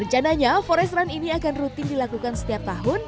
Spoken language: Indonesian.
rencananya forest run ini akan rutin dilakukan setiap tahun